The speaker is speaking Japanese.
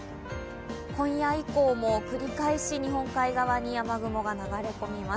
今夜以降も繰り返し日本海側に雨雲が流れ込みます。